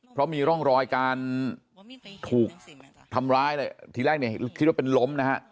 เพราะมีร่องรอยการถูกทำร้ายเลยทีแรกเนี่ยคิดว่าเป็นล้มนะฮะ